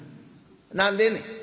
何でんねん」。